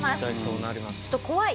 ちょっと怖い。